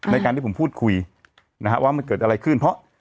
ในการที่ผมพูดคุยนะฮะว่ามันเกิดอะไรขึ้นเพราะ